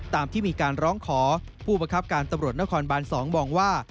ตามที่มีการร้องขอผู้บังคับการตำรวจนครบาน๒มองว่า